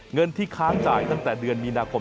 เงินที่ค้างจ่ายตั้งแต่เดือนมีนาคม